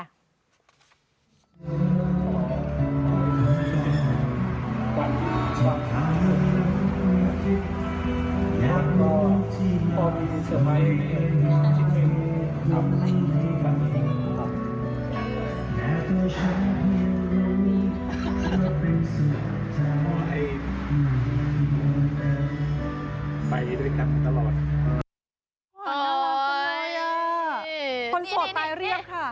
อ๋อน่ารักเลยอ่ะคนโสดตายเรียบค่ะ